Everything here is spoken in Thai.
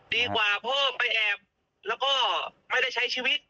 ดีกว่าเพิ่มไปแอบแล้วก็ไม่ได้ใช้ชีวิต